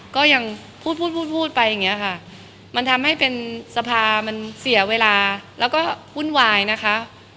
ก็ยังพูดพูดพูดพูดไปอย่างนี้ค่ะมันทำให้เป็นสภามันเสียเวลาแล้วก็วุ่นวายนะคะ